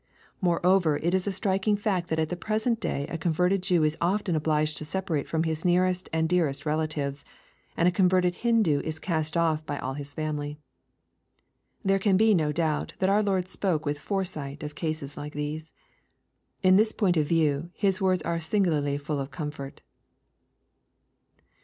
Moreover, it is a striking fact that at the present day a converted Jew is often obliged to separate from his nearest and dearest relatives, and a converted Hindoo is cast off" by all his family. There can be no doubt that our Lord spoke with foresight of cases like these. Li this point of view. His words are singularly full of comfort.